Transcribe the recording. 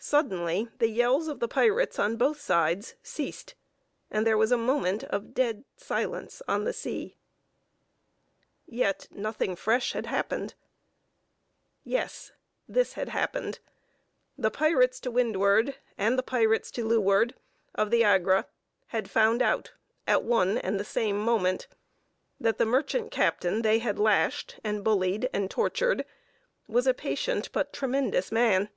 Suddenly the yells of the pirates on both sides ceased, and there was a moment of dead silence on the sea. Yet nothing fresh had happened. Yes, this had happened: the pirates to windward, and the pirates to leeward, of the Agra, had found out, at one and the same moment, that the merchant captain they had lashed, and bullied, and tortured, was a patient but tremendous man.